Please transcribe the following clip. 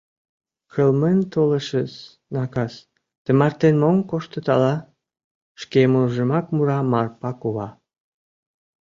Кылмен толешыс, накас, тымартен мом коштыт ала? — шке мурыжымак мура Марпа кува.